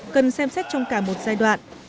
cần xem xét trong cả một giai đoạn